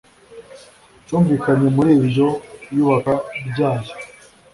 cyumvikanye muri iryo yubaka ryayo